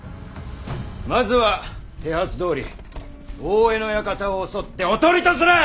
まずは手はずどおり大江の館を襲っておとりとする！